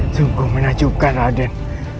sungguh menakjubkan raden